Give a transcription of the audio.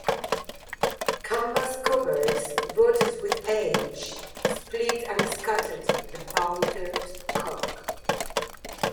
Canvas covers, rotted with age, split and scattered the powdered cork.